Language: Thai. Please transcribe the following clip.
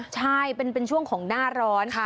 ใช่เป็นช่วงของหน้าร้อน